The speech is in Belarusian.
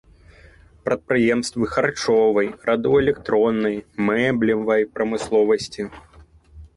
Прадпрыемствы харчовай, радыёэлектроннай, мэблевай прамысловасці.